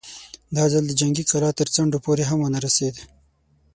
دا ځل د جنګي کلا تر څنډو پورې هم ونه رسېد.